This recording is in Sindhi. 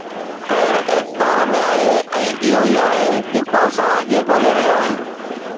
خير اعتدال ۾ آهي ۽ اهو ئي آهي جيڪو اسان اڄ ڳولي رهيا آهيون.